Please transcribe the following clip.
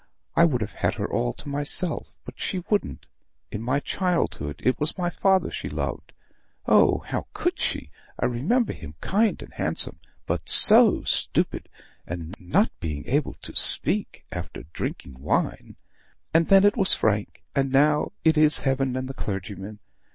I would have had her all to myself; but she wouldn't. In my childhood, it was my father she loved (oh, how could she? I remember him kind and handsome, but so stupid, and not being able to speak after drinking wine). And then it was Frank; and now, it is heaven and the clergyman.